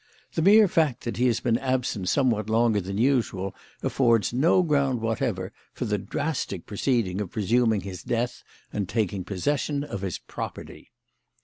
The mere fact that he has been absent somewhat longer than usual affords no ground whatever for the drastic proceeding of presuming his death and taking possession of his property.